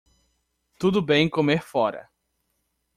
Tudo bem comer fora.